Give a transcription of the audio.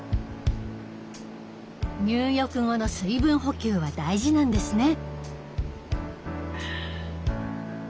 入浴後の水分補給は大事なんですね。